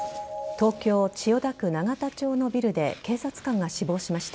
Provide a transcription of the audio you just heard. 東京・千代田区永田町のビルで警察官が死亡しました。